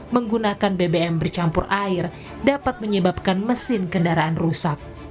menggunakan bbm bercampur air dapat menyebabkan mesin kendaraan rusak